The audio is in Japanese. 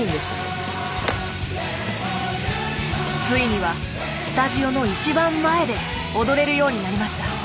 ついにはスタジオの一番前で踊れるようになりました。